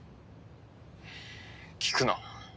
聞くな。